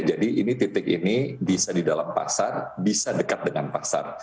jadi ini titik ini bisa di dalam pasar bisa dekat dengan pasar